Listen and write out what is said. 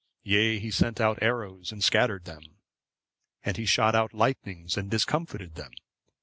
Yea, he sent out his arrows and scattered them; and he shot out lightnings, and discomfited them.